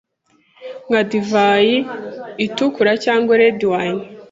nka divayi itukura cg red wine